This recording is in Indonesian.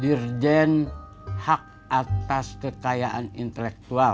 dirjen hak atas kekayaan intelektual